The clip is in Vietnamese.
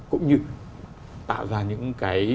cũng như tạo ra những cái